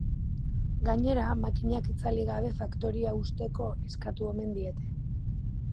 Gainera, makinak itzali gabe faktoria husteko eskatu omen diete.